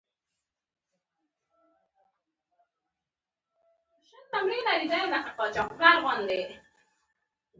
هر یوه اړتیاوو ورکړل شي.